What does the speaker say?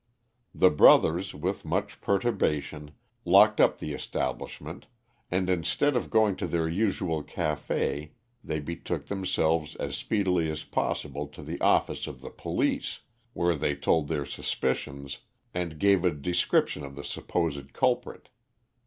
The brothers, with much perturbation, locked up the establishment, and instead of going to their usual café, they betook themselves as speedily as possible to the office of the police, where they told their suspicions and gave a description of the supposed culprit.